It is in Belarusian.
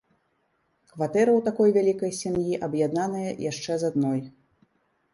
Кватэра ў такой вялікай сям'і аб'яднаная яшчэ з адной.